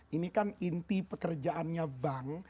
ini kan inti pekerjaannya bank